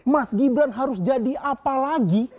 mas gibran harus jadi apa lagi